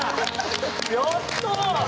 やった！